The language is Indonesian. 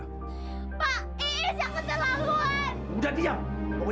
pak iis yang keterlaluan